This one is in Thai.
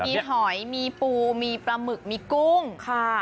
มีหอยมีปูมีปลาหมึกมีกุ้งค่ะ